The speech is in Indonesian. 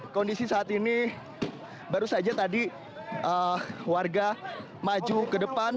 kondisi saat ini baru saja tadi warga maju ke depan